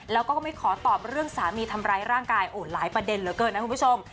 แล้วก็ไม่ขอตอบเรื่องสามีทำร้ายร่างกายโอ้หลายประเด็นเหลือเกินนะคุณผู้ชม